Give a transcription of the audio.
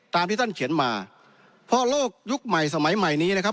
ตามที่ท่านเขียนมาเพราะโลกยุคใหม่สมัยใหม่นี้นะครับ